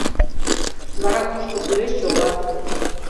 — Вара кушко кӱлеш чогат.